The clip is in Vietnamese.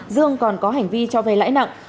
dương còn có hành vi cho vay lãi nặng